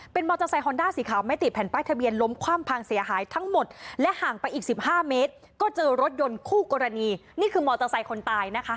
มอเตอร์ไซคอนด้าสีขาวไม่ติดแผ่นป้ายทะเบียนล้มคว่ำพังเสียหายทั้งหมดและห่างไปอีกสิบห้าเมตรก็เจอรถยนต์คู่กรณีนี่คือมอเตอร์ไซค์คนตายนะคะ